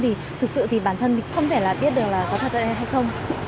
thực sự thì bản thân không thể biết được là có thật hay không